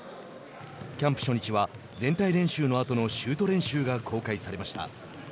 キャンプ初日は全体練習のあとのシュート練習が公開されました。